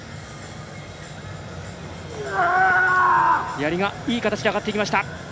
やりがいい形で上がっていきました。